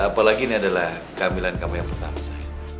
apalagi ini adalah kehamilan kami yang pertama